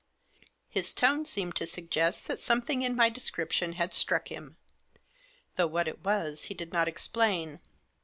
His tone seemed to suggest that something in my description had struck him ; though what it was he did not explain.